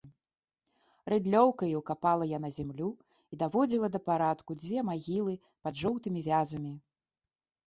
Рыдлёўкай капала яна зямлю і даводзіла да парадку дзве магілы пад жоўтымі вязамі.